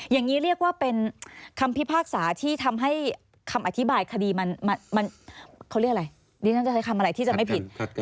อย่างนี้เรียกว่าเป็นคำพิพากษาที่ทำให้คำอธิบายคดีมันเขาเรียกอะไรดิฉันจะใช้คำอะไรที่จะไม่ผิด